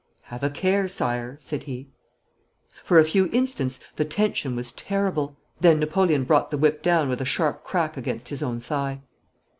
'Have a care, Sire,' said he. For a few instants the tension was terrible. Then Napoleon brought the whip down with a sharp crack against his own thigh.